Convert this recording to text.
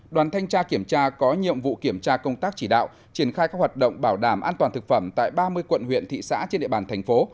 đoàn thanh tra kiểm tra có nhiệm vụ kiểm tra công tác chỉ đạo triển khai các hoạt động bảo đảm an toàn thực phẩm tại ba mươi quận huyện thị xã trên địa bàn thành phố